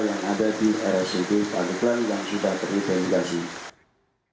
yang ada di sdt pandit plan yang sudah teridentifikasi